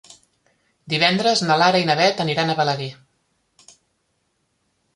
Divendres na Lara i na Beth aniran a Balaguer.